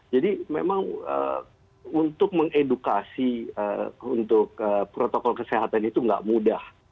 jadi memang untuk mengedukasi untuk protokol kesehatan itu nggak mudah